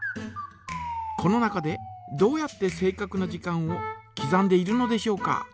この中でどうやって正かくな時間をきざんでいるのでしょうか。